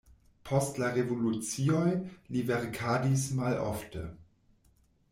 Post la revolucioj li verkadis malofte.